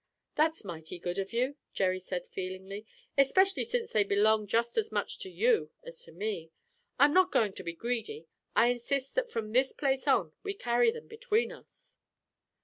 "That's mighty good of you," Jerry said feelingly, "'specially since they belong just as much to you as to me. I'm not going to be greedy. I insist that from this place on we carry them between us."